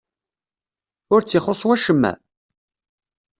Ur tt-ixuṣṣ wacemma?